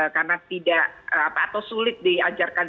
karena sulit diajarkan